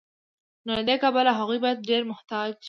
نو له دې کبله هغوی باید ډیر محتاط وي.